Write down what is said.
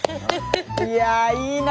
いやぁいいな。